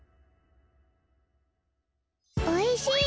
おいしい！